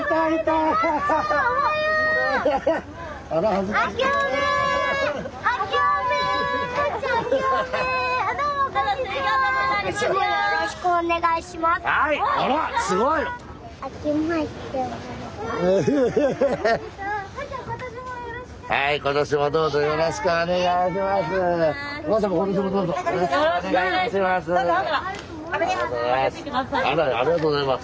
あらありがとうございます。